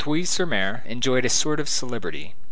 sur M. enjoyed a sort of celebrity.